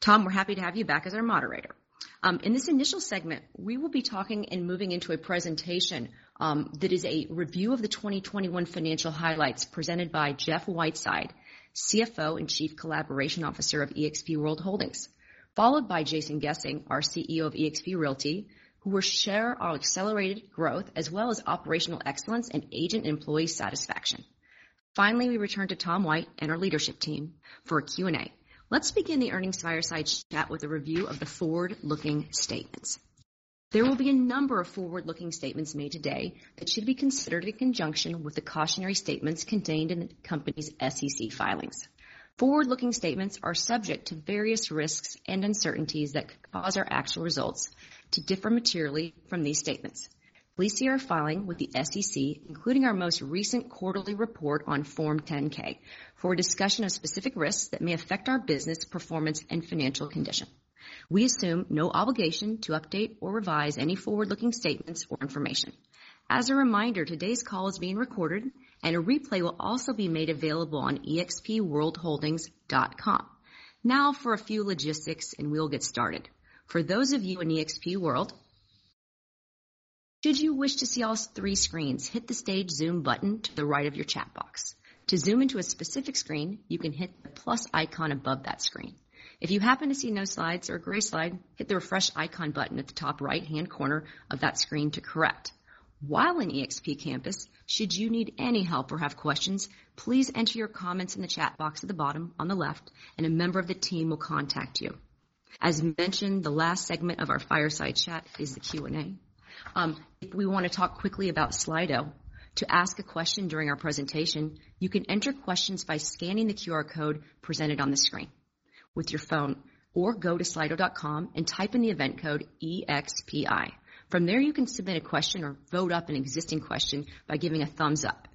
Tom, we're happy to have you back as our moderator. In this initial segment, we will be talking and moving into a presentation, that is a review of the 2021 financial highlights presented by Jeff Whiteside, CFO and Chief Collaboration Officer of eXp World Holdings, followed by Jason Gesing, our CEO of eXp Realty, who will share our accelerated growth as well as operational excellence and agent employee satisfaction. Finally, we return to Tom White and our leadership team for a Q&A. Let's begin the earnings fireside chat with a review of the forward-looking statements. There will be a number of forward-looking statements made today that should be considered in conjunction with the cautionary statements contained in the company's SEC filings. Forward-looking statements are subject to various risks and uncertainties that could cause our actual results to differ materially from these statements. Please see our filing with the SEC, including our most recent quarterly report on Form 10-K, for a discussion of specific risks that may affect our business performance and financial condition. We assume no obligation to update or revise any forward-looking statements or information. As a reminder, today's call is being recorded and a replay will also be made available on expworldholdings.com. Now for a few logistics, and we'll get started. For those of you in eXp World, should you wish to see all three screens, hit the stage Zoom button to the right of your chat box. To zoom into a specific screen, you can hit the plus icon above that screen. If you happen to see no slides or a gray slide, hit the refresh icon button at the top right-hand corner of that screen to correct. While in eXp Campus, should you need any help or have questions, please enter your comments in the chat box at the bottom on the left, and a member of the team will contact you. As mentioned, the last segment of our fireside chat is the Q&A. We wanna talk quickly about Slido. To ask a question during our presentation, you can enter questions by scanning the QR code presented on the screen with your phone or go to slido.com and type in the event code EXPI. From there, you can submit a question or vote up an existing question by giving a thumbs up.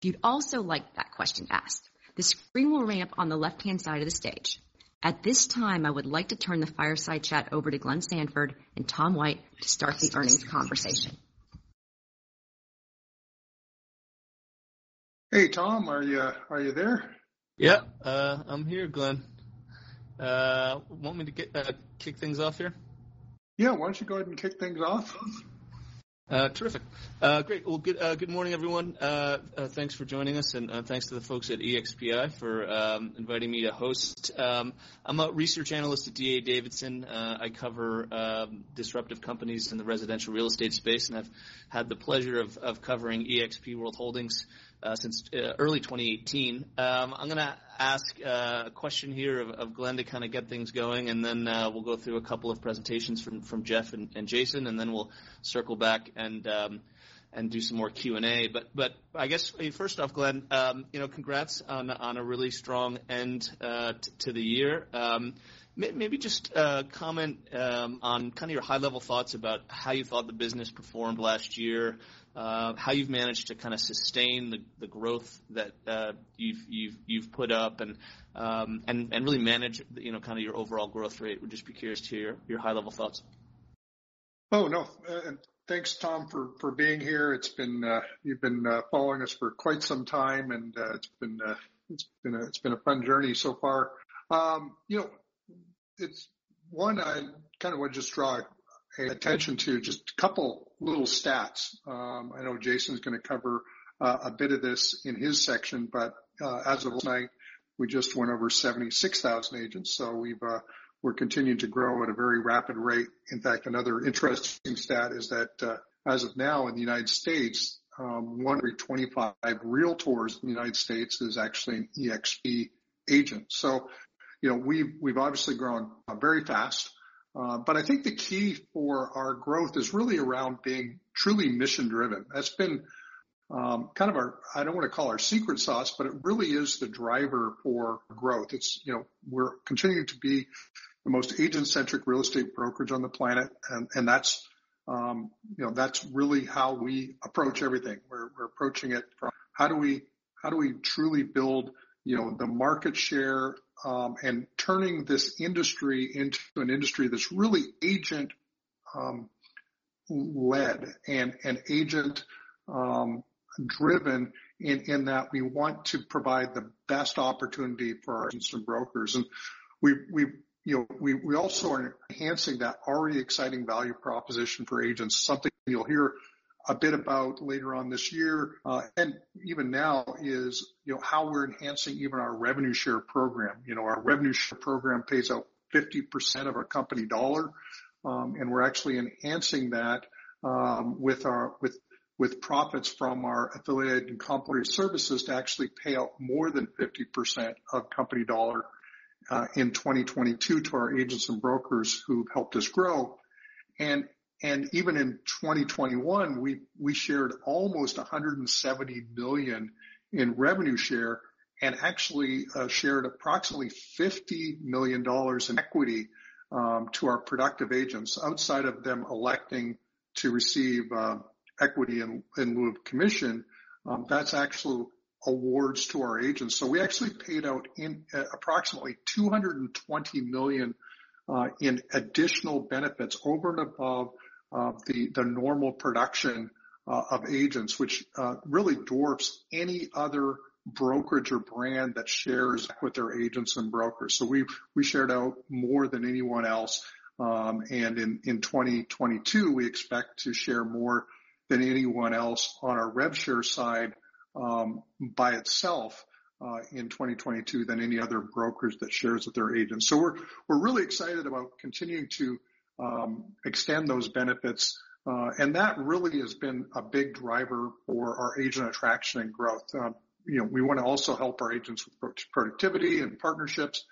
If you'd also like that question asked, the screen will ramp on the left-hand side of the stage. At this time, I would like to turn the fireside chat over to Glenn Sanford and Tom White to start the earnings conversation. Hey, Tom. Are you there? Yeah, I'm here, Glenn. Want me to kick things off here? Yeah. Why don't you go ahead and kick things off. Terrific. Great. Well, good morning, everyone. Thanks for joining us, and thanks to the folks at EXPI for inviting me to host. I'm a research analyst at D.A. Davidson. I cover disruptive companies in the residential real estate space, and I've had the pleasure of covering eXp World Holdings since early 2018. I'm gonna ask a question here of Glenn to kinda get things going and then we'll go through a couple of presentations from Jeff and Jason, and then we'll circle back and do some more Q&A. I guess first off, Glenn, you know, congrats on a really strong end to the year. Maybe just comment on kinda your high level thoughts about how you thought the business performed last year, how you've managed to kinda sustain the growth that you've put up and really manage, you know, kinda your overall growth rate. Would just be curious to your high level thoughts. Thanks, Tom, for being here. It's been you've been following us for quite some time, and it's been a fun journey so far. You know, I kinda wanna just draw attention to just a couple little stats. I know Jason's gonna cover a bit of this in his section, but as of last night, we just went over 76,000 agents, so we've we're continuing to grow at a very rapid rate. In fact, another interesting stat is that as of now in the United States, one in 25 realtors in the United States is actually an eXp agent. You know, we've obviously grown very fast. I think the key for our growth is really around being truly mission-driven. That's been kind of our. I don't wanna call it our secret sauce, but it really is the driver for growth. It's, you know, we're continuing to be the most agent-centric real estate brokerage on the planet, and that's, you know, that's really how we approach everything. We're approaching it from how do we truly build, you know, the market share, and turning this industry into an industry that's really agent-led and agent-driven in that we want to provide the best opportunity for our agents and brokers. We, you know, also are enhancing that already exciting value proposition for agents, something you'll hear a bit about later on this year, and even now is, you know, how we're enhancing even our revenue share program. You know, our revenue share program pays out 50% of our company dollar, and we're actually enhancing that with profits from our affiliated and complementary services to actually pay out more than 50% of company dollar in 2022 to our agents and brokers who helped us grow. Even in 2021, we shared almost $170 million in revenue share and actually shared approximately $50 million in equity to our productive agents outside of them electing to receive equity in lieu of commission. That's actual awards to our agents. We actually paid out approximately $220 million in additional benefits over and above the normal production of agents, which really dwarfs any other brokerage or brand that shares with their agents and brokers. We've shared out more than anyone else. In 2022, we expect to share more than anyone else on our rev share side, by itself, in 2022 than any other brokers that shares with their agents. We're really excited about continuing to extend those benefits. That really has been a big driver for our agent attraction and growth. You know, we wanna also help our agents with productivity and partnerships,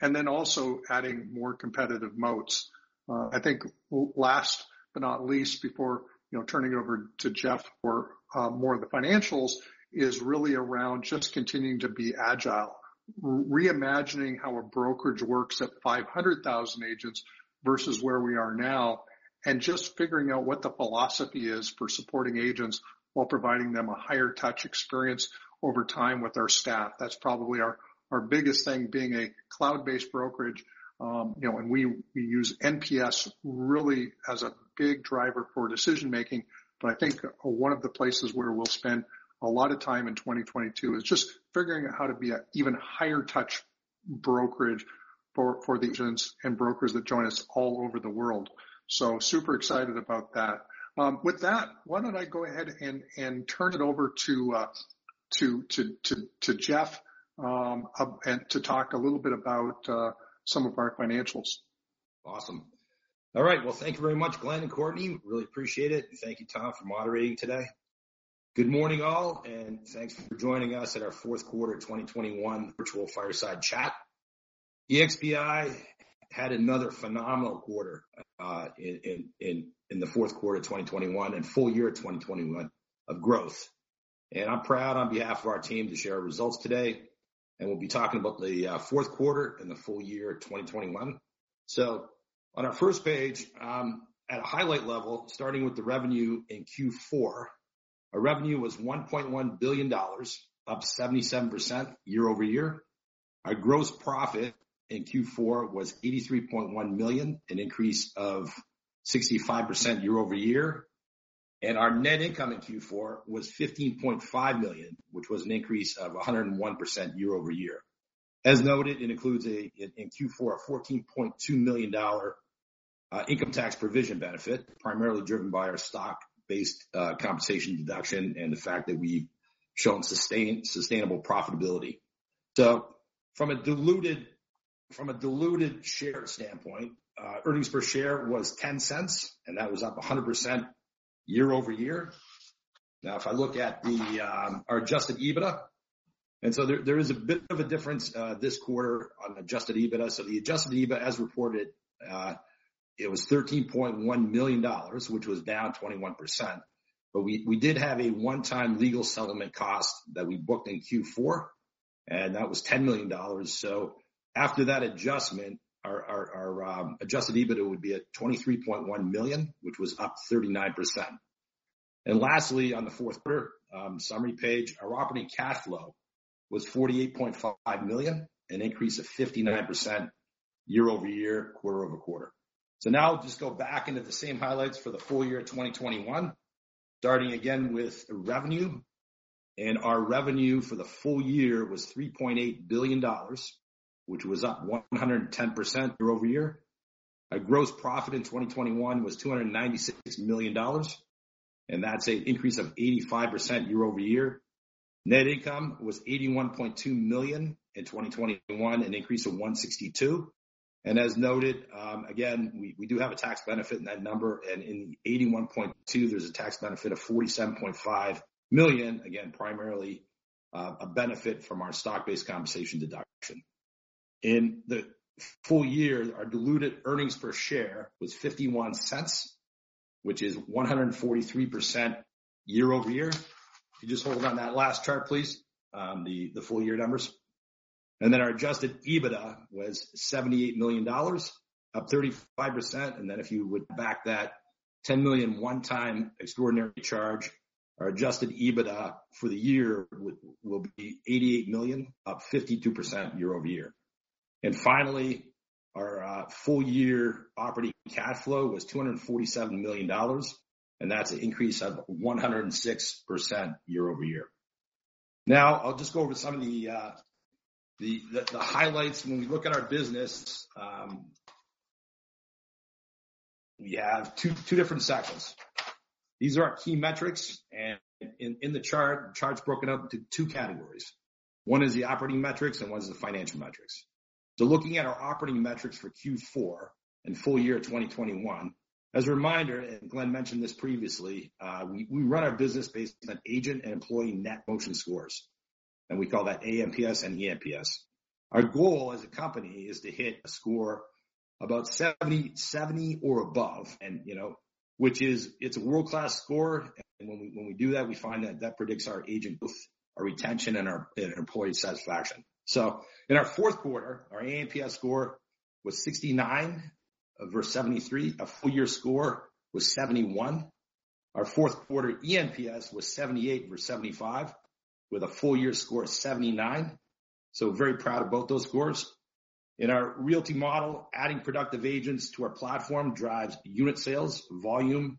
and then also adding more competitive moats. I think last but not least before, you know, turning it over to Jeff for more of the financials, is really around just continuing to be agile, reimagining how a brokerage works at 500,000 agents versus where we are now, and just figuring out what the philosophy is for supporting agents while providing them a higher touch experience over time with our staff. That's probably our biggest thing, being a cloud-based brokerage. You know, we use NPS really as a big driver for decision-making. I think one of the places where we'll spend a lot of time in 2022 is just figuring out how to be an even higher touch brokerage for the agents and brokers that join us all over the world. Super excited about that. With that, why don't I go ahead and turn it over to Jeff and to talk a little bit about some of our financials. Awesome. All right. Well, thank you very much, Glenn and Courtney. Really appreciate it. Thank you, Tom, for moderating today. Good morning, all, and thanks for joining us at our fourth quarter 2021 virtual fireside chat. eXp. I had another phenomenal quarter in the fourth quarter of 2021 and full year 2021 of growth. I'm proud on behalf of our team to share our results today. We'll be talking about the fourth quarter and the full year 2021. On our first page, at a highlight level, starting with the revenue in Q4. Our revenue was $1.1 billion, up 77% year-over-year. Our gross profit in Q4 was $83.1 million, an increase of 65% year-over-year. Our net income in Q4 was $15.5 million, which was an increase of 101% year-over-year. As noted, it includes, in Q4, a $14.2 million income tax provision benefit, primarily driven by our stock-based compensation deduction and the fact that we've shown sustainable profitability. From a diluted share standpoint, earnings per share was $0.10, and that was up 100% year-over-year. Now, if I look at our adjusted EBITDA. There is a bit of a difference this quarter on adjusted EBITDA. The adjusted EBITDA as reported, it was $13.1 million, which was down 21%. We did have a one-time legal settlement cost that we booked in Q4, and that was $10 million. After that adjustment, our adjusted EBITDA would be at $23.1 million, which was up 39%. Lastly, on the fourth quarter summary page, our operating cash flow was $48.5 million, an increase of 59% year-over-year, quarter-over-quarter. Now just go back into the same highlights for the full year 2021, starting again with revenue. Our revenue for the full year was $3.8 billion, which was up 110% year-over-year. Our gross profit in 2021 was $296 million, and that's an increase of 85% year-over-year. Net income was $81.2 million in 2021, an increase of 162%. As noted, again, we do have a tax benefit in that number. In 81.2 there's a tax benefit of $47.5 million, again, primarily, a benefit from our stock-based compensation deduction. In the full year, our diluted earnings per share was $0.51, which is 143% year-over-year. Can you just hold on that last chart, please? The full year numbers. Then our adjusted EBITDA was $78 million, up 35%. Then if you would back that $10 million one-time extraordinary charge, our adjusted EBITDA for the year will be $88 million, up 52% year-over-year. Finally, our full year operating cash flow was $247 million, and that's an increase of 106% year-over-year. Now I'll just go over some of the highlights when we look at our business. We have two different sections. These are our key metrics. In the chart, the chart's broken up into two categories. One is the operating metrics and one is the financial metrics. Looking at our operating metrics for Q4 and full year 2021. As a reminder, and Glenn mentioned this previously, we run our business based on agent and employee net promotion scores, and we call that A-NPS and E-NPS. Our goal as a company is to hit a score about 70 or above. You know, which is, it's a world-class score. When we do that, we find that that predicts our agent growth, our retention, and our employee satisfaction. In our fourth quarter, our A-NPS score was 69 versus 73. Our full-year score was 71. Our fourth quarter E-NPS was 78 versus 75, with a full-year score of 79. Very proud of both those scores. In our realty model, adding productive agents to our platform drives unit sales volume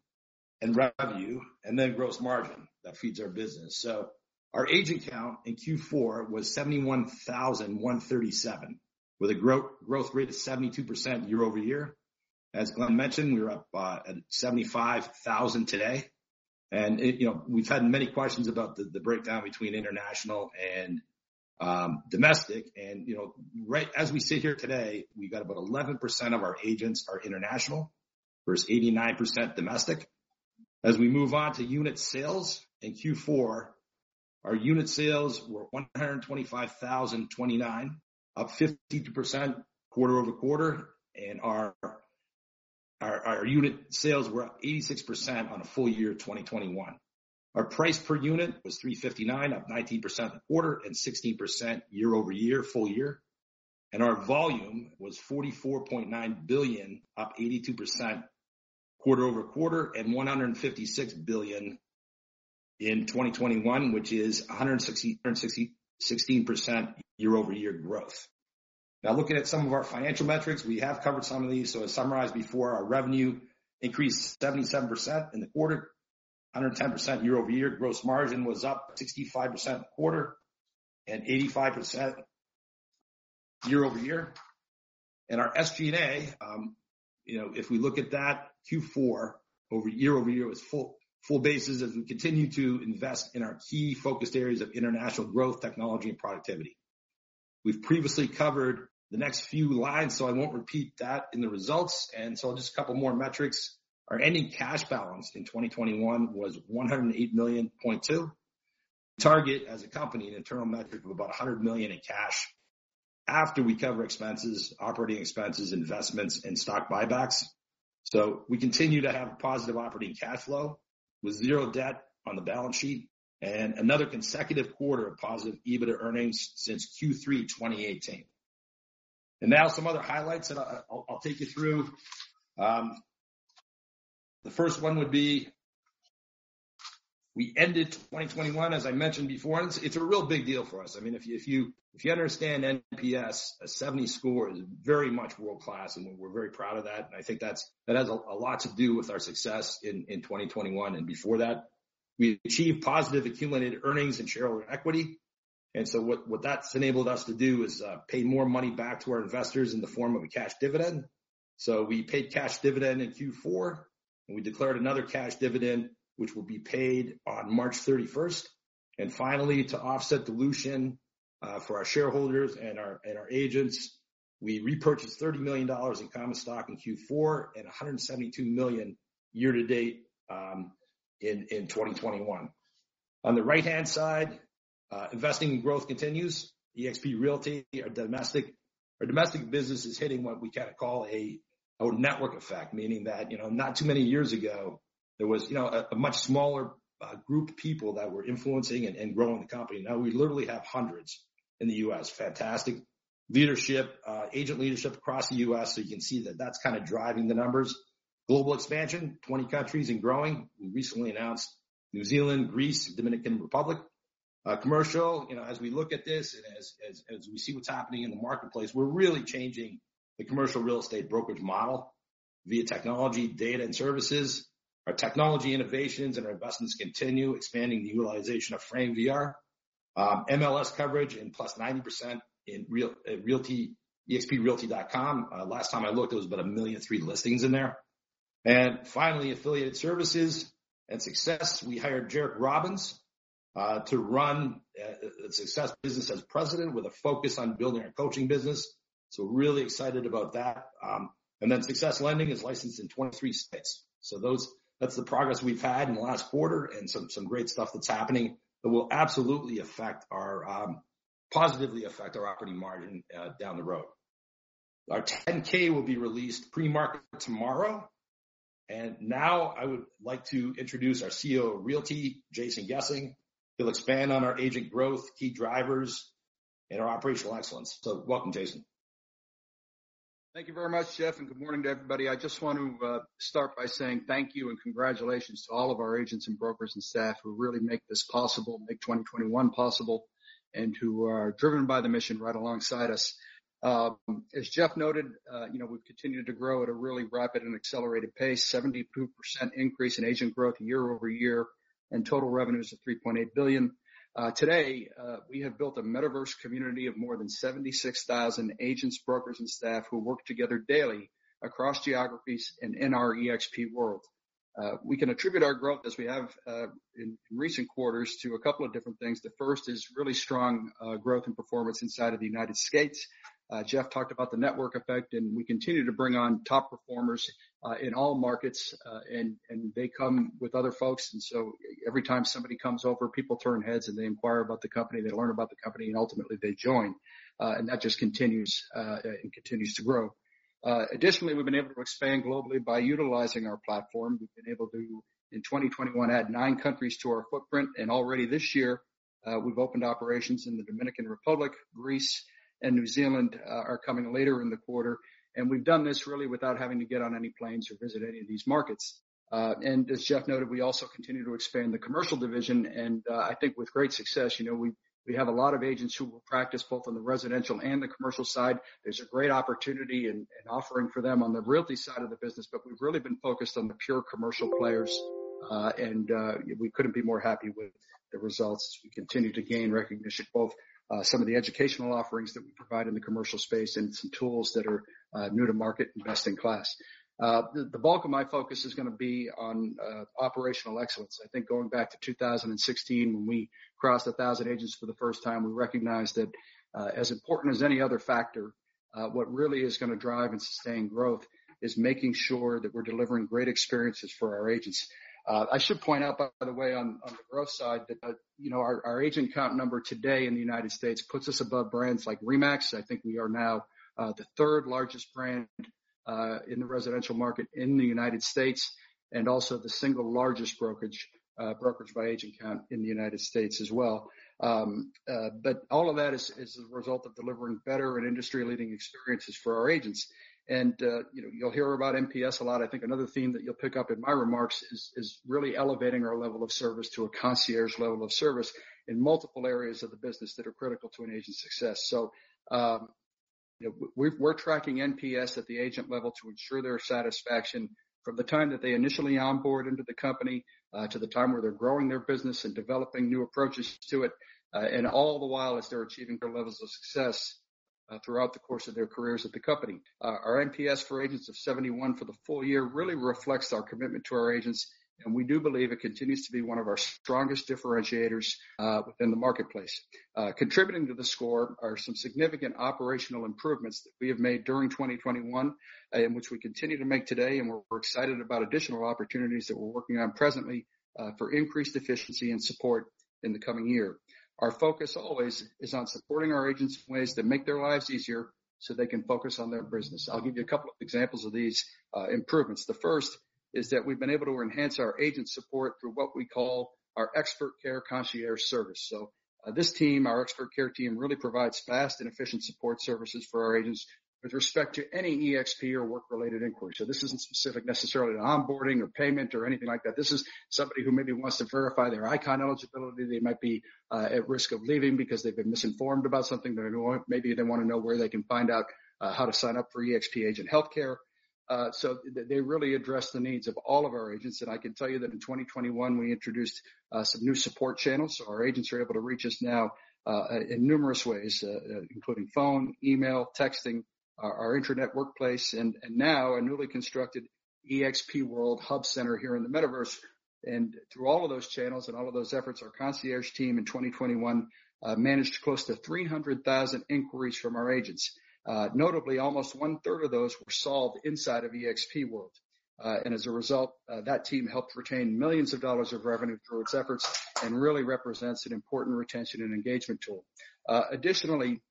and revenue, and then gross margin that feeds our business. Our agent count in Q4 was 71,137, with a growth rate of 72% year-over-year. As Glenn Sanford mentioned, we were up at 75,000 today. We've had many questions about the breakdown between international and domestic. Right as we sit here today, we've got about 11% of our agents international versus 89% domestic. As we move on to unit sales, in Q4, our unit sales were 125,029, up 52% quarter-over-quarter. Our unit sales were up 86% on a full year 2021. Our price per unit was $359, up 19% quarter-over-quarter and 16% year-over-year, full year. Our volume was $44.9 billion, up 82% quarter-over-quarter, and $156 billion in 2021, which is sixteen percent year-over-year growth. Now looking at some of our financial metrics. We have covered some of these, so as summarized before, our revenue increased 77% in the quarter, 110% year-over-year. Gross margin was up 65% quarter-over-quarter and 85% year-over-year. Our SG&A, you know, if we look at that Q4 year-over-year was full basis as we continue to invest in our key focused areas of international growth, technology, and productivity. We've previously covered the next few lines, so I won't repeat that in the results. Just a couple more metrics. Our ending cash balance in 2021 was $108.2 million. Our target as a company, an internal metric of about $100 million in cash after we cover expenses, operating expenses, investments, and stock buybacks. We continue to have positive operating cash flow with zero debt on the balance sheet and another consecutive quarter of positive EBITDA earnings since Q3 2018. Now some other highlights that I'll take you through. The first one would be, we ended 2021, as I mentioned before, and it's a real big deal for us. I mean, if you understand NPS, a 70 score is very much world-class, and we're very proud of that. I think that has a lot to do with our success in 2021 and before that. We achieved positive accumulated earnings and shareholder equity. What that's enabled us to do is pay more money back to our investors in the form of a cash dividend. We paid cash dividend in Q4, and we declared another cash dividend, which will be paid on March 31. Finally, to offset dilution for our shareholders and our agents, we repurchased $30 million in common stock in Q4 and $172 million year to date in 2021. On the right-hand side, investing in growth continues. eXp Realty, our domestic business is hitting what we kinda call a network effect. Meaning that, you know, not too many years ago, there was, you know, a much smaller group of people that were influencing and growing the company. Now we literally have hundreds in the U.S. Fantastic leadership, agent leadership across the U.S., so you can see that that's kinda driving the numbers. Global expansion, 20 countries and growing. We recently announced New Zealand, Greece, Dominican Republic. Commercial, you know, as we look at this and as we see what's happening in the marketplace, we're really changing the commercial real estate brokerage model via technology, data, and services. Our technology innovations and our investments continue, expanding the utilization of Frame VR. MLS coverage and plus 90% in eXp Realty, exprealty.com. Last time I looked, there was about 1.3 million listings in there. Finally, affiliated services and SUCCESS. We hired Jairek Robbins to run SUCCESS business as president with a focus on building our coaching business. We're really excited about that. SUCCESS Lending is licensed in 23 states. Those that's the progress we've had in the last quarter and some great stuff that's happening that will absolutely positively affect our operating margin down the road. Our 10-K will be released pre-market tomorrow. Now I would like to introduce our CEO of Realty, Jason Gesing. He'll expand on our agent growth, key drivers, and our operational excellence. Welcome, Jason. Thank you very much, Jeff, and good morning to everybody. I just want to start by saying thank you and congratulations to all of our agents and brokers and staff who really make this possible, make 2021 possible, and who are driven by the mission right alongside us. As Jeff noted, you know, we've continued to grow at a really rapid and accelerated pace, 72% increase in agent growth year-over-year, and total revenues of $3.8 billion. Today, we have built a metaverse community of more than 76,000 agents, brokers and staff who work together daily across geographies and in our eXp World. We can attribute our growth as we have in recent quarters to a couple of different things. The first is really strong growth and performance inside of the United States. Jeff talked about the network effect, and we continue to bring on top performers in all markets, and they come with other folks. Every time somebody comes over, people turn heads and they inquire about the company, they learn about the company, and ultimately they join. That just continues, it continues to grow. Additionally, we've been able to expand globally by utilizing our platform. We've been able to, in 2021, add nine countries to our footprint, and already this year, we've opened operations in the Dominican Republic, Greece and New Zealand are coming later in the quarter. We've done this really without having to get on any planes or visit any of these markets. As Jeff noted, we also continue to expand the commercial division, and I think with great success. You know, we have a lot of agents who will practice both on the residential and the commercial side. There's a great opportunity and offering for them on the realty side of the business, but we've really been focused on the pure commercial players. We couldn't be more happy with the results. We continue to gain recognition, both some of the educational offerings that we provide in the commercial space and some tools that are new to market and best in class. The bulk of my focus is gonna be on operational excellence. I think going back to 2016 when we crossed 1,000 agents for the first time, we recognized that, as important as any other factor, what really is gonna drive and sustain growth is making sure that we're delivering great experiences for our agents. I should point out, by the way, on the growth side that, you know, our agent count number today in the United States puts us above brands like RE/MAX. I think we are now the third largest brand in the residential market in the United States and also the single largest brokerage by agent count in the United States as well. But all of that is a result of delivering better and industry-leading experiences for our agents. You know, you'll hear about NPS a lot. I think another theme that you'll pick up in my remarks is really elevating our level of service to a concierge level of service in multiple areas of the business that are critical to an agent's success. You know, we're tracking NPS at the agent level to ensure their satisfaction from the time that they initially onboard into the company to the time where they're growing their business and developing new approaches to it, all the while as they're achieving their levels of success throughout the course of their careers at the company. Our NPS for agents of 71 for the full year really reflects our commitment to our agents, and we do believe it continues to be one of our strongest differentiators in the marketplace. Contributing to the score are some significant operational improvements that we have made during 2021, and which we continue to make today, and we're excited about additional opportunities that we're working on presently, for increased efficiency and support in the coming year. Our focus always is on supporting our agents in ways that make their lives easier, so they can focus on their business. I'll give you a couple of examples of these improvements. The first is that we've been able to enhance our agent support through what we call our expert care concierge service. This team, our expert care team, really provides fast and efficient support services for our agents with respect to any eXp or work-related inquiry. This isn't specific necessarily to onboarding or payment or anything like that. This is somebody who maybe wants to verify their ICON eligibility. They might be at risk of leaving because they've been misinformed about something. Maybe they wanna know where they can find out how to sign up for eXp agent healthcare. They really address the needs of all of our agents. I can tell you that in 2021 we introduced some new support channels, so our agents are able to reach us now in numerous ways including phone, email, texting, our intranet workplace, and now a newly constructed eXp World Hub center here in the metaverse. Through all of those channels and all of those efforts, our concierge team in 2021 managed close to 300,000 inquiries from our agents. Notably, almost one-third of those were solved inside of eXp World. As a result, that team helped retain $ millions of revenue through its efforts and really represents an important retention and engagement tool. Additionally,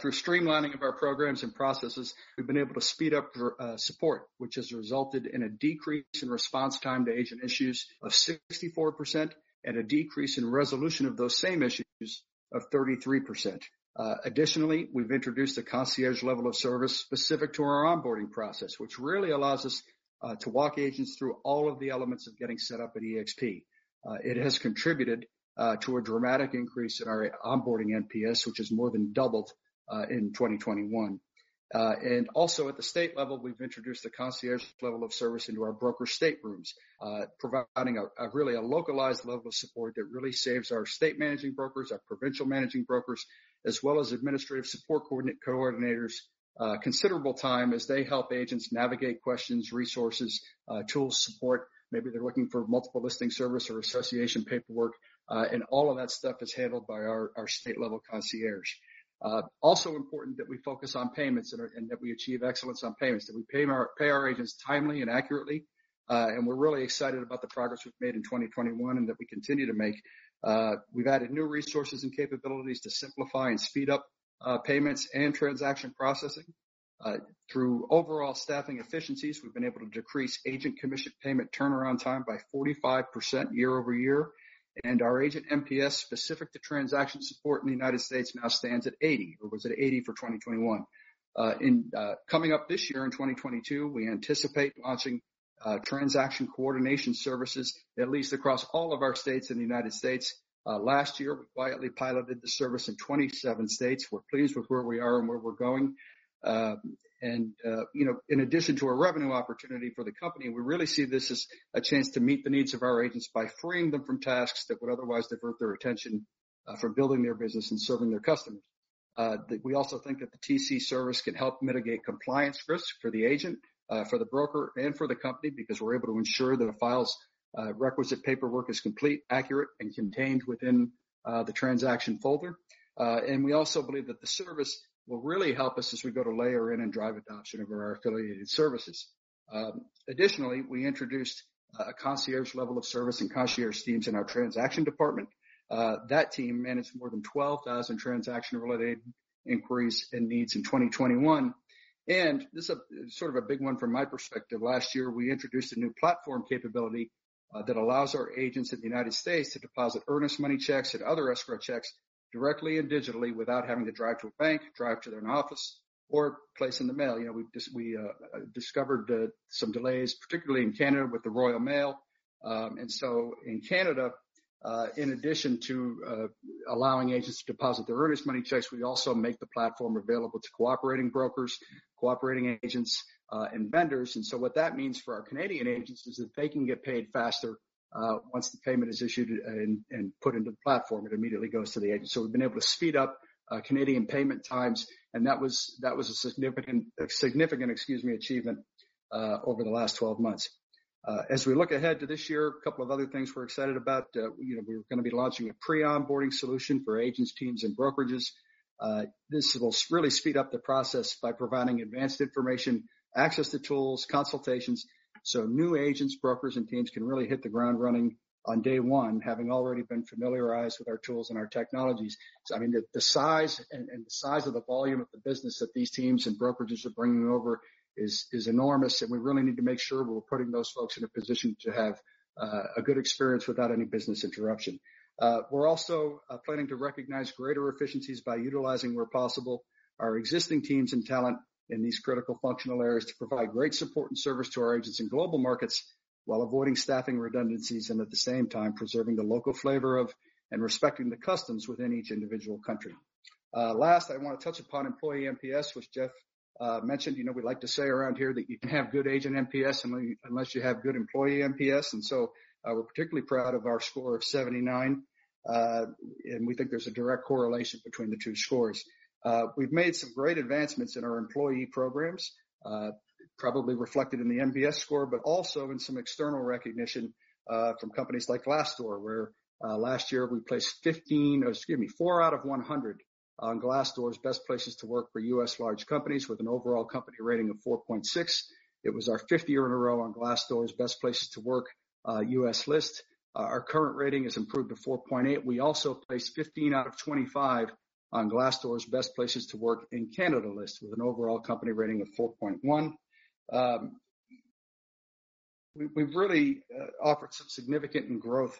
through streamlining of our programs and processes, we've been able to speed up support, which has resulted in a decrease in response time to agent issues of 64% and a decrease in resolution of those same issues of 33%. Additionally, we've introduced a concierge level of service specific to our onboarding process, which really allows us to walk agents through all of the elements of getting set up at eXp. It has contributed to a dramatic increase in our onboarding NPS, which has more than doubled in 2021. At the state level, we've introduced a concierge level of service into our broker state rooms, providing a really localized level of support that really saves our state managing brokers, our provincial managing brokers, as well as administrative support coordinators, considerable time as they help agents navigate questions, resources, tools, support. Maybe they're looking for multiple listing service or association paperwork, and all of that stuff is handled by our state level concierge. Also important that we focus on payments and that we achieve excellence on payments, that we pay our agents timely and accurately. We're really excited about the progress we've made in 2021 and that we continue to make. We've added new resources and capabilities to simplify and speed up payments and transaction processing. Through overall staffing efficiencies, we've been able to decrease agent commission payment turnaround time by 45% year-over-year. Our agent NPS specific to transaction support in the United States now stands at 80, or was at 80 for 2021. Coming up this year in 2022, we anticipate launching transaction coordination services at least across all of our states in the United States. Last year, we quietly piloted the service in 27 states. We're pleased with where we are and where we're going. You know, in addition to a revenue opportunity for the company, we really see this as a chance to meet the needs of our agents by freeing them from tasks that would otherwise divert their attention for building their business and serving their customers. We also think that the TC service can help mitigate compliance risks for the agent, for the broker and for the company, because we're able to ensure that a file's requisite paperwork is complete, accurate, and contained within the transaction folder. We also believe that the service will really help us as we go to layer in and drive adoption of our affiliated services. Additionally, we introduced a concierge level of service and concierge teams in our transaction department. That team managed more than 12,000 transaction-related inquiries and needs in 2021. This is sort of a big one from my perspective. Last year, we introduced a new platform capability that allows our agents in the United States to deposit earnest money checks and other escrow checks directly and digitally without having to drive to a bank, drive to their office, or place in the mail. You know, we discovered some delays, particularly in Canada with the Canada Post. In addition to allowing agents to deposit their earnest money checks, we also make the platform available to cooperating brokers, cooperating agents, and vendors. What that means for our Canadian agents is that they can get paid faster once the payment is issued and put into the platform, it immediately goes to the agent. We've been able to speed up Canadian payment times, and that was a significant achievement over the last 12 months. As we look ahead to this year, a couple of other things we're excited about. You know, we're gonna be launching a pre-onboarding solution for agents, teams, and brokerages. This will really speed up the process by providing advanced information, access to tools, consultations, so new agents, brokers, and teams can really hit the ground running on day one, having already been familiarized with our tools and our technologies. I mean, the size of the volume of the business that these teams and brokerages are bringing over is enormous, and we really need to make sure we're putting those folks in a position to have a good experience without any business interruption. We're also planning to recognize greater efficiencies by utilizing, where possible, our existing teams and talent in these critical functional areas to provide great support and service to our agents in global markets while avoiding staffing redundancies and at the same time preserving the local flavor of and respecting the customs within each individual country. Last, I wanna touch upon employee NPS, which Jeff mentioned. You know, we like to say around here that you can have good agent NPS unless you have good employee NPS. We're particularly proud of our score of 79. We think there's a direct correlation between the two scores. We've made some great advancements in our employee programs, probably reflected in the NPS score, but also in some external recognition, from companies like Glassdoor, where last year we placed 15, or excuse me, four out of 100 on Glassdoor's Best Places to Work for U.S. Large Companies with an overall company rating of 4.6. It was our fifth year in a row on Glassdoor's Best Places to Work, U.S. list. Our current rating has improved to 4.8. We also placed 15 out of 25 on Glassdoor's Best Places to Work in Canada list with an overall company rating of 4.1. We've really offered some significant income growth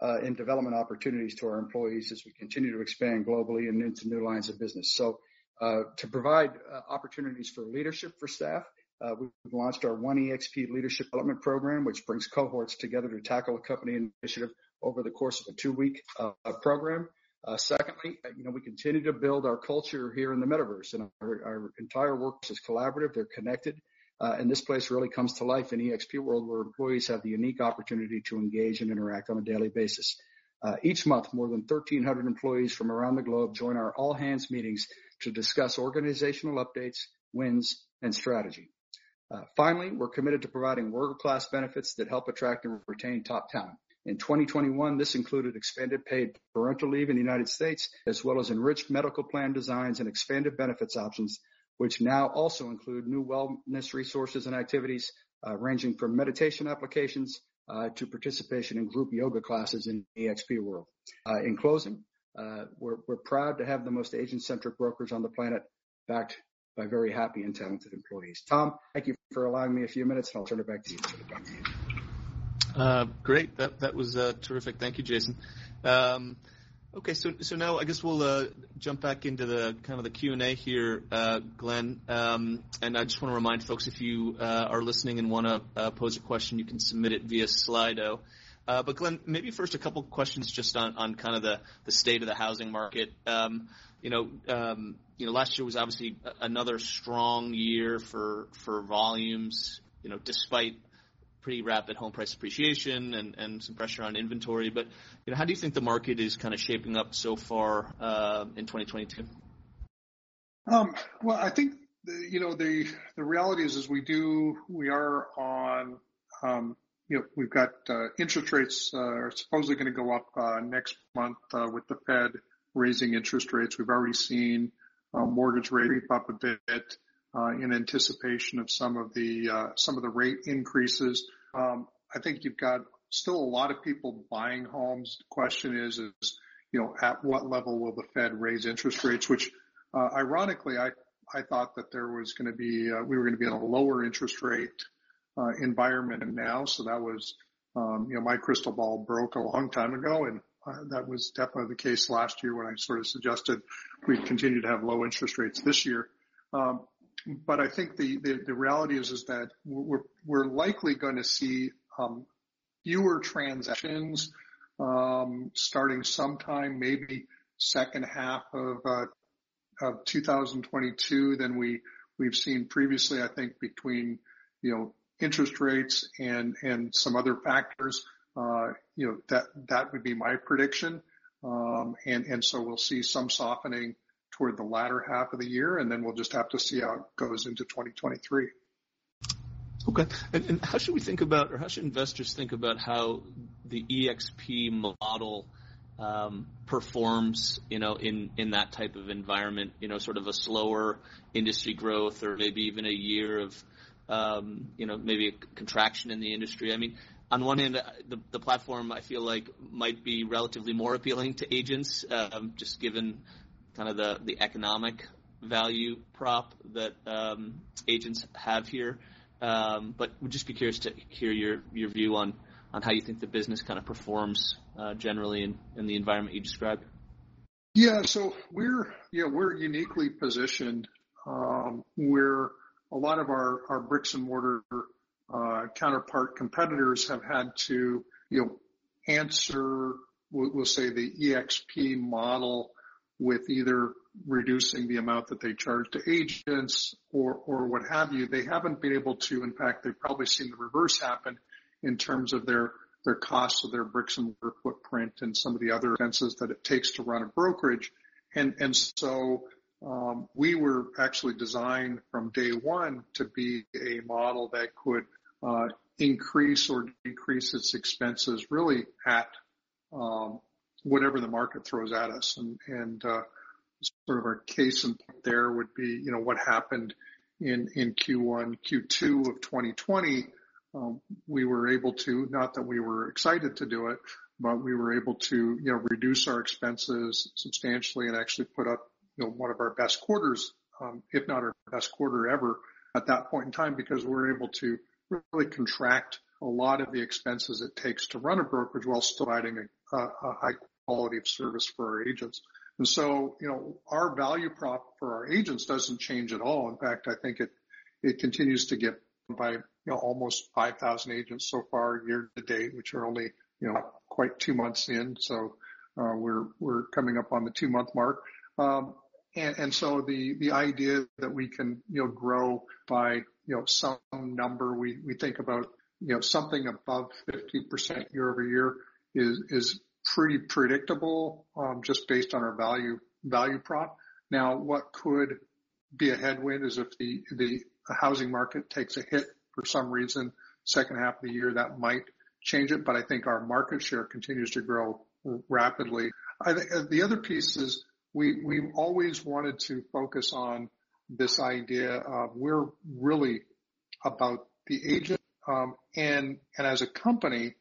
and development opportunities to our employees as we continue to expand globally and into new lines of business. To provide opportunities for leadership for staff, we've launched our One eXp Leadership Development Program, which brings cohorts together to tackle a company initiative over the course of a two-week program. Secondly, you know, we continue to build our culture here in the metaverse, and our entire workforce is collaborative, they're connected, and this place really comes to life in eXp World, where employees have the unique opportunity to engage and interact on a daily basis. Each month, more than 1,300 employees from around the globe join our all-hands meetings to discuss organizational updates, wins, and strategy. Finally, we're committed to providing world-class benefits that help attract and retain top talent. In 2021, this included expanded paid parental leave in the United States, as well as enriched medical plan designs and expanded benefits options, which now also include new wellness resources and activities, ranging from meditation applications, to participation in group yoga classes in eXp World. In closing, we're proud to have the most agent-centric brokerage on the planet, backed by very happy and talented employees. Tom, thank you for allowing me a few minutes, and I'll turn it back to you. Great. That was terrific. Thank you, Jason. Now I guess we'll jump back into the kind of Q&A here, Glenn. I just wanna remind folks, if you are listening and wanna pose a question, you can submit it via Slido. Glenn, maybe first a couple questions just on kind of the state of the housing market. You know, last year was obviously another strong year for volumes, you know, despite pretty rapid home price appreciation and some pressure on inventory. You know, how do you think the market is kinda shaping up so far in 2022? Well, I think, you know, the reality is we are on, you know, we've got interest rates are supposedly gonna go up next month with the Fed raising interest rates. We've already seen mortgage rates creep up a bit in anticipation of some of the rate increases. I think you've got still a lot of people buying homes. The question is, you know, at what level will the Fed raise interest rates? Which, ironically, I thought we were gonna be in a lower interest rate environment than now, so that was, you know, my crystal ball broke a long time ago, and that was definitely the case last year when I sort of suggested we'd continue to have low interest rates this year. I think the reality is that we're likely gonna see fewer transactions starting sometime maybe second half of 2022 than we've seen previously. I think between, you know, interest rates and some other factors, you know, that would be my prediction. We'll see some softening toward the latter half of the year, and then we'll just have to see how it goes into 2023. Okay. How should we think about, or how should investors think about how the eXp model performs, you know, in that type of environment? You know, sort of a slower industry growth or maybe even a year of, you know, maybe a contraction in the industry. I mean, on one hand, the platform I feel like might be relatively more appealing to agents, just given kind of the economic value prop that agents have here. Would just be curious to hear your view on how you think the business kind of performs, generally in the environment you described. Yeah. We're uniquely positioned where a lot of our bricks and mortar counterpart competitors have had to, you know, answer, we'll say, the eXp model with either reducing the amount that they charge to agents or what have you. They haven't been able to. In fact, they've probably seen the reverse happen in terms of their costs of their bricks and mortar footprint and some of the other expenses that it takes to run a brokerage. We were actually designed from day one to be a model that could increase or decrease its expenses really at whatever the market throws at us. Sort of our case in point there would be, you know, what happened in Q1, Q2 of 2020. Not that we were excited to do it, but we were able to, you know, reduce our expenses substantially and actually put up, you know, one of our best quarters, if not our best quarter ever at that point in time, because we were able to really contract a lot of the expenses it takes to run a brokerage while still providing a high quality of service for our agents. Our value prop for our agents doesn't change at all. In fact, I think it continues to grow by, you know, almost 5,000 agents so far year to date, which we're only, you know, about two months in. We're coming up on the two-month mark. The idea that we can, you know, grow by, you know, some number we think about, you know, something above 50% year-over-year is pretty predictable, just based on our value prop. What could be a headwind is if the housing market takes a hit for some reason, second half of the year, that might change it. I think our market share continues to grow rapidly. I think the other piece is we always wanted to focus on this idea of we're really about the agent. As a company,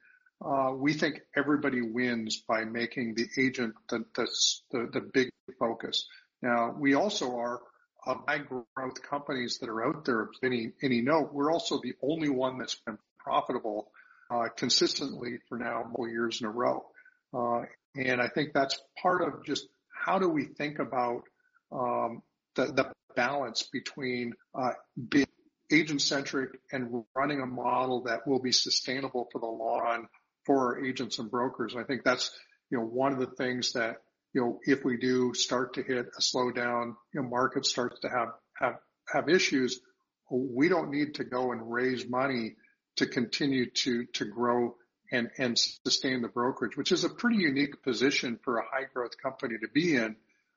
we think everybody wins by making the agent the big focus. Now, we also are one of the high-growth companies that are out there of any note. We're also the only one that's been profitable consistently for now four years in a row. I think that's part of just how we think about the balance between being agent-centric and running a model that will be sustainable for the long run for our agents and brokers. I think that's, you know, one of the things that, you know, if we do start to hit a slowdown, you know, market starts to have issues, we don't need to go and raise money to continue to grow and sustain the brokerage. Which is a pretty unique position for a high-growth company to be in.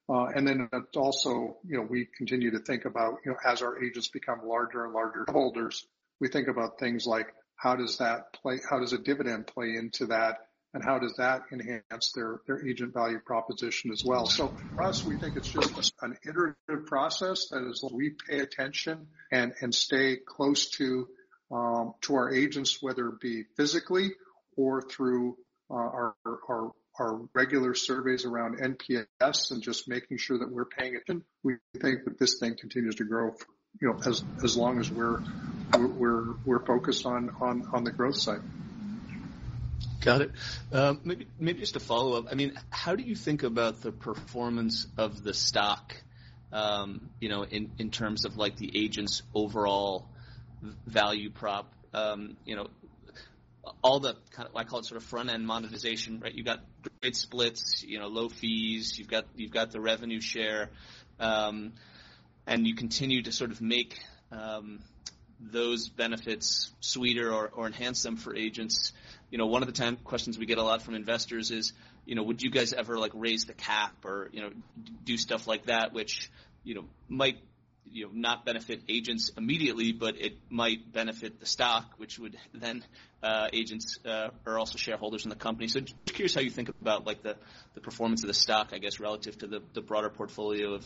that also, you know, we continue to think about, you know, as our agents become larger and larger holders, we think about things like how does that play into that, how does a dividend play into that, and how does that enhance their agent value proposition as well? For us, we think it's just an iterative process that is we pay attention and stay close to our agents, whether it be physically or through our regular surveys around NPS and just making sure that we're paying attention. We think that this thing continues to grow for, you know, as long as we're focused on the growth side. Got it. Maybe just a follow-up. I mean, how do you think about the performance of the stock, you know, in terms of like the agents' overall value prop? You know, all the kind of I call it sort of front-end monetization, right? You got great splits, you know, low fees. You've got the revenue share. And you continue to sort of make those benefits sweeter or enhance them for agents. You know, one of the ten questions we get a lot from investors is, you know, would you guys ever, like, raise the cap or, you know, do stuff like that, which, you know, might not benefit agents immediately, but it might benefit the stock, which would then benefit agents or also shareholders in the company. Just curious how you think about, like, the performance of the stock, I guess, relative to the broader portfolio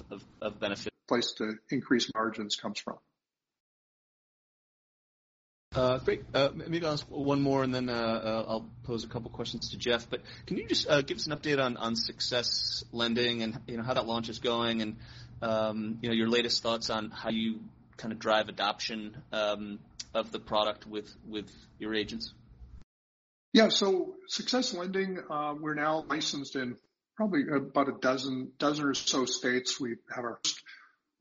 of benefits? Place to increase margins comes from. Great. Maybe I'll ask one more, and then, I'll pose a couple questions to Jeff. Can you just give us an update on SUCCESS Lending and, you know, how that launch is going and, you know, your latest thoughts on how you kind of drive adoption of the product with your agents? Yeah. SUCCESS Lending, we're now licensed in probably about a dozen or so states. We have our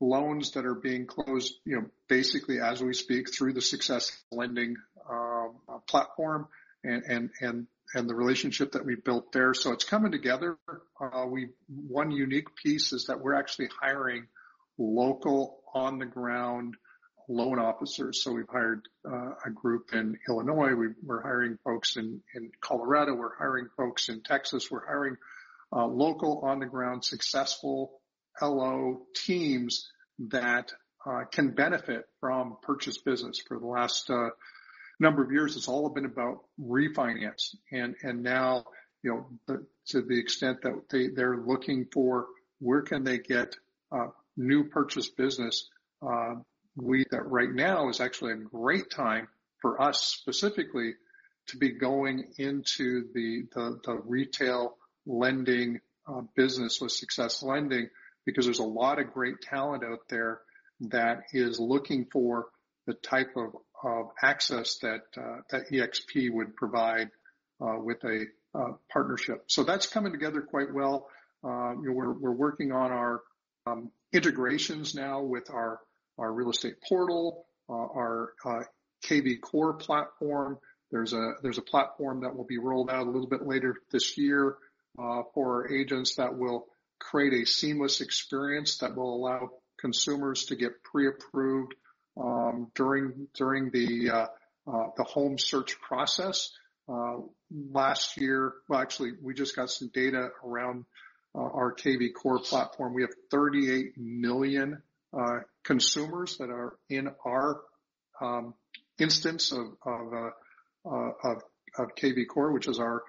loans that are being closed, you know, basically as we speak through the SUCCESS Lending platform and the relationship that we've built there. It's coming together. One unique piece is that we're actually hiring local on-the-ground loan officers. We've hired a group in Illinois. We're hiring folks in Colorado. We're hiring folks in Texas. We're hiring local on-the-ground successful LO teams that can benefit from purchase business. For the last number of years, it's all been about refinancing. Now, you know, to the extent that they're looking for, where can they get new purchase business, we. That right now is actually a great time for us specifically to be going into the retail lending business with SUCCESS Lending, because there's a lot of great talent out there that is looking for the type of access that eXp would provide with a partnership. So that's coming together quite well. You know, we're working on our integrations now with our real estate portal, our kvCORE platform. There's a platform that will be rolled out a little bit later this year for agents that will create a seamless experience that will allow consumers to get pre-approved during the home search process. Last year, well, actually, we just got some data around our kvCORE platform. We have 38 million consumers that are in our instance of kvCORE, which is our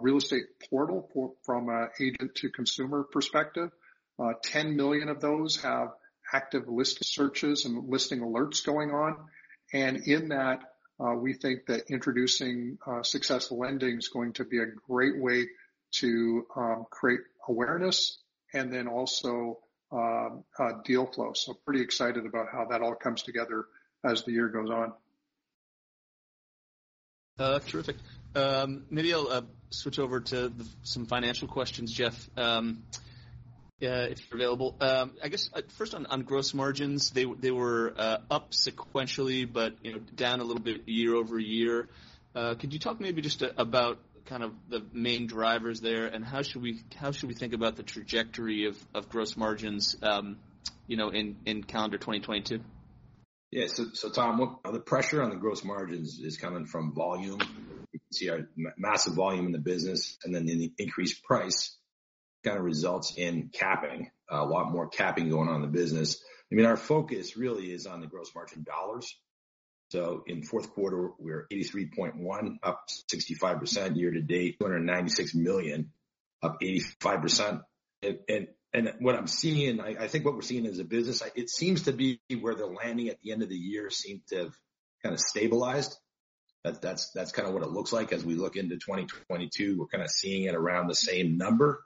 real estate portal from an agent to consumer perspective. Ten million of those have active list searches and listing alerts going on. In that, we think that introducing SUCCESS Lending is going to be a great way to create awareness and then also deal flow. Pretty excited about how that all comes together as the year goes on. Terrific. Maybe I'll switch over to some financial questions, Jeff, if you're available. I guess first on gross margins, they were up sequentially, but, you know, down a little bit year-over-year. Could you talk maybe just about kind of the main drivers there? How should we think about the trajectory of gross margins, you know, in calendar 2022? Yeah. Tom, look, the pressure on the gross margins is coming from volume. You can see our massive volume in the business, and then in the increased price kind of results in capping, a lot more capping going on in the business. I mean, our focus really is on the gross margin dollars. In fourth quarter, we're $83.1 million up 65% year to date, $296 million, up 85%. What I'm seeing, I think what we're seeing as a business, it seems to be where the landing at the end of the year seemed to have kind of stabilized. That's kind of what it looks like as we look into 2022. We're kind of seeing it around the same number.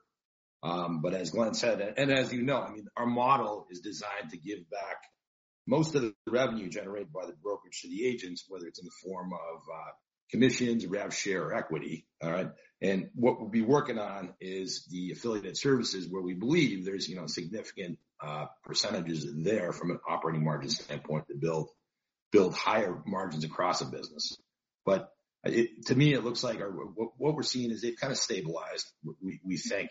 As Glenn said, and as you know, I mean, our model is designed to give back most of the revenue generated by the brokerage to the agents, whether it's in the form of commissions, rev share, or equity. All right. What we'll be working on is the affiliated services where we believe there's, you know, significant percentages in there from an operating margins standpoint to build higher margins across the business. To me, it looks like our what we're seeing is it kind of stabilized. We think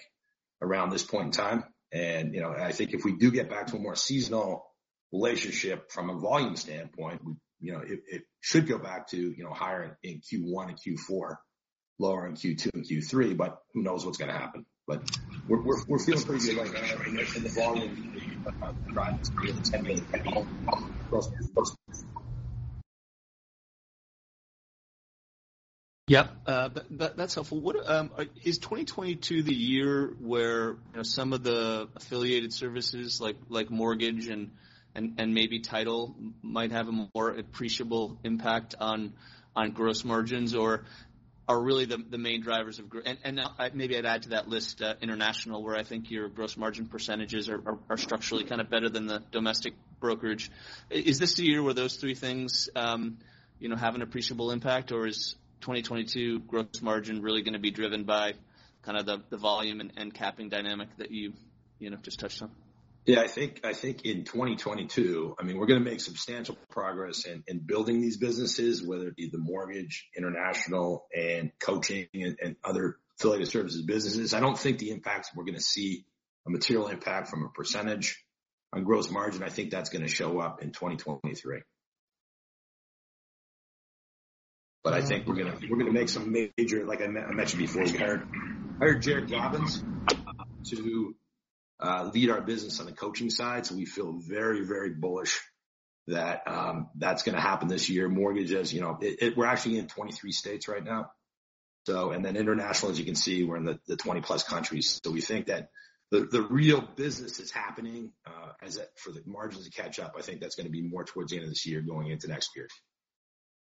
around this point in time. I think if we do get back to a more seasonal relationship from a volume standpoint, we, you know, it should go back to, you know, higher in Q1 and Q4, lower in Q2 and Q3, but who knows what's gonna happen. We're feeling pretty good right now in the volume driving this. We have $10 million gross. Yeah. That's helpful. What is 2022 the year where, you know, some of the affiliated services like mortgage and maybe title might have a more appreciable impact on gross margins? Maybe I'd add to that list, international, where I think your gross margin percentages are structurally kind of better than the domestic brokerage. Is this the year where those three things, you know, have an appreciable impact? Or is 2022 gross margin really gonna be driven by kind of the volume and capping dynamic that you know just touched on? Yeah. I think in 2022, I mean, we're gonna make substantial progress in building these businesses, whether it be the mortgage, international and coaching and other affiliated services businesses. I don't think we're gonna see a material impact as a percentage on gross margin. I think that's gonna show up in 2023. I think we're gonna make some major, like I mentioned before, we hired Jairek Robbins to lead our business on the coaching side, so we feel very bullish that that's gonna happen this year. Mortgages, you know, we're actually in 23 states right now. And then international, as you can see, we're in the 20+ countries. We think that the real business is happening for the margins to catch up. I think that's gonna be more towards the end of this year going into next year.